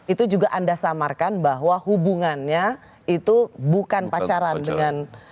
itu juga anda samarkan bahwa hubungannya itu bukan pacaran dengan